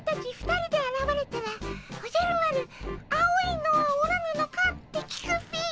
２人であらわれたらおじゃる丸「青いのはおらぬのか」って聞くっピィ。